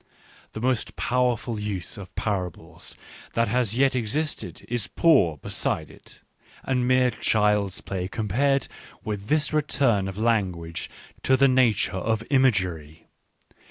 The most powerful use of parables that has yet existed is poor beside it, and mere child's play compared with this return of language to the nature of imagery.